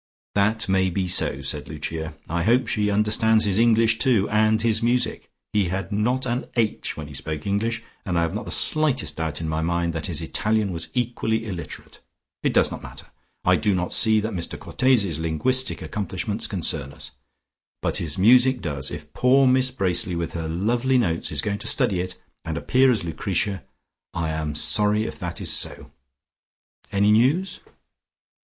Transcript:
"That may be so," said Lucia. "I hope she understood his English too, and his music. He had not an 'h' when he spoke English, and I have not the slightest doubt in my own mind that his Italian was equally illiterate. It does not matter; I do not see that Mr Cortese's linguistic accomplishments concern us. But his music does, if poor Miss Bracely, with her lovely notes, is going to study it, and appear as Lucretia. I am sorry if that is so. Any news?"